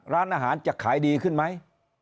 ร้านอาหารจะขายดีขึ้นไหม